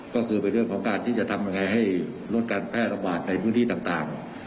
ก็คือเป็นเรื่องของการที่จะทำยังไงให้ลดการแพร่ระบาดในพื้นที่ต่าง